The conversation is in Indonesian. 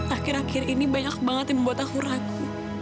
akhir akhir ini banyak banget yang membuat aku ragu